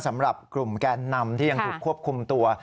สำหรับกลุ่มแกนนำที่ยังถูกควบคุมตัว